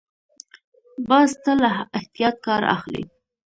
باز تل له احتیاط کار اخلي